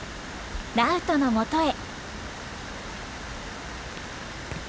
ラウトのもとへ。